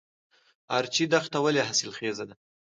ارچي دښته ولې حاصلخیزه ده؟